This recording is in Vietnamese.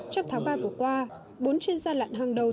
trong tháng ba vừa qua bốn chuyên gia lạn hang đầu